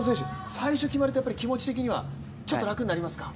最初に決まるとやっぱり気持ち的にはやっぱり楽になりますか？